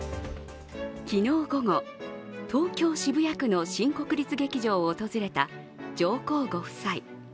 昨日午後、東京・渋谷区の新国立劇場を訪れた上皇ご夫妻。